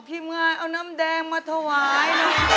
เป็นเรื่องราวของแม่นาคกับพี่ม่าครับ